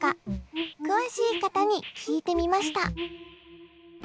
詳しい方に聞いてみました。